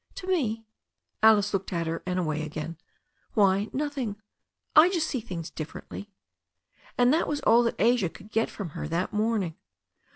"To me?" Alice looked at her and away again. "Why, nothing. I just see things differently." And that was all that Asia could get from her that morn ing.